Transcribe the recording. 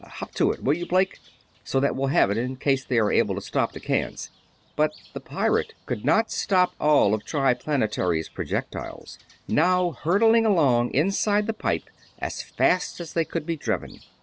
Hop to it, will you, Blake, so that we'll have it in case they are able to stop the cans?" But the pirates could not stop all of Triplanetary's projectiles, now hurrying along inside the pipe as fast as they could be driven.